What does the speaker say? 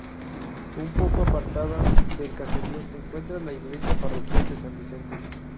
Un poco apartada del caserío, se encuentra la iglesia parroquial de San Vicente.